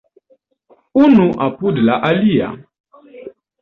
Unu apud la alia.